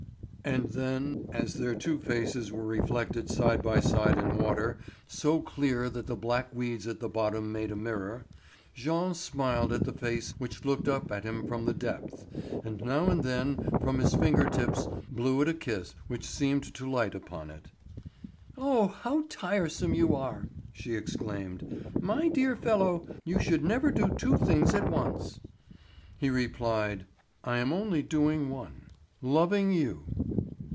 And then, as their two faces were reflected side by side in water so clear that the black weeds at the bottom made a mirror, Jean smiled at the face which looked up at him from the depth, and now and then from his finger tips blew it a kiss which seemed to light upon it. "Oh! how tiresome you are!" she exclaimed. "My dear fellow, you should never do two things at once." He replied: "I am only doing one—loving you."